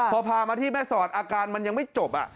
พอพามาที่แม่สอดอาการมันยังไม่จบ